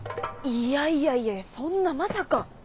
いやいやいやいやそんなまさか。